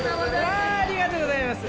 わあありがとうございます。